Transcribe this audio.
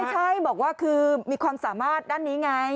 ใช่บอกว่าคือมีความสามารถด้านนี้ไง